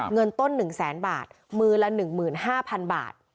เงินต้น๑แสนบาทมือละ๑๕๐๐๐บาท